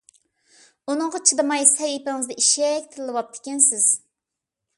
ئۇنىڭغا چىدىماي سەھىپىڭىزدە ئىششەك تىللىۋاپتىكەنسىز.